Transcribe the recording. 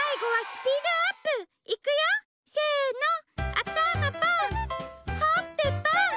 あたまポンほっぺポン